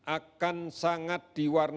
akan sangat diwujudkan